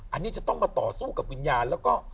อันนี้จะต้องมาต่อสู้กับวิญญาณแล้วก็